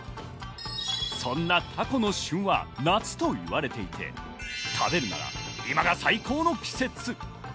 そんなタコの旬は夏と言われていて、食べるなら今が最高の季節。